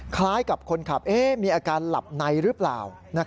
คล้ายกับคนขับมีอาการหลับในหรือเปล่า